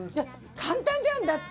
簡単じゃんだって。